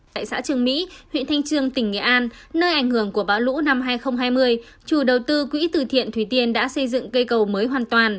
tại xã trường mỹ huyện thanh trương tỉnh nghệ an nơi ảnh hưởng của bão lũ năm hai nghìn hai mươi chủ đầu tư quỹ từ thiện thủy tiên đã xây dựng cây cầu mới hoàn toàn